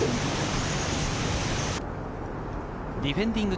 ディフェンディング